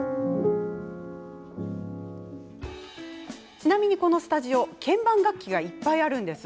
ちなみに、このスタジオ鍵盤楽器がいっぱいあるんです。